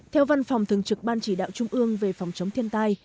theo văn phòng thường trực ban chỉ đạo trung ương về phòng chống thiên tai